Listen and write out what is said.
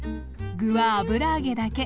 具は油揚げだけ！